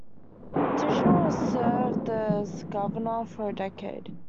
Tichenor had served as governor for a decade.